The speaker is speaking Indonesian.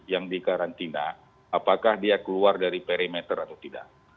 yang dikarantina apakah dia keluar dari perimeter atau tidak